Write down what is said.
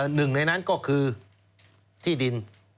หนึ่งในนั้นก็คือที่ดิน